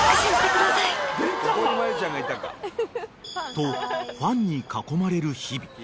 ［とファンに囲まれる日々］